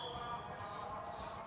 untuk pihak kepolisian